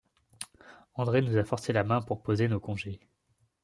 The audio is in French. André nous a forcé la main pour poser nos congés.